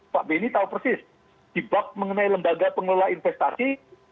pak beni tahu persis dibak mengenai lembaga pengelola investasi